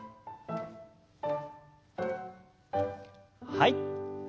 はい。